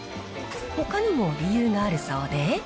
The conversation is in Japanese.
ほかにも理由があるそうで。